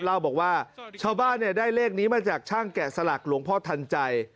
เล่าบอกว่าชาวบ้านได้เลขนี้มาจากช่างแกะสลักหลวงพ่อทันใจ